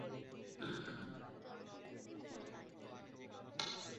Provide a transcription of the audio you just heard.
রূম-এর আওলাদদেরকে বানুল ask for বলা হয়।